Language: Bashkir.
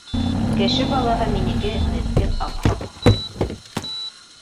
Кеше балаһы — минеке, меҫкен аҡһаҡ!